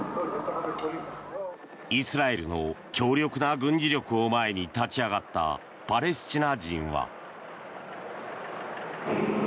イスラエルの強力な軍事力を前に立ち上がったパレスチナ人は。